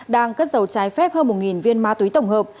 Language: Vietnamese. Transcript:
đang cất giấu trái phép hơn một viên ma túy tổng hợp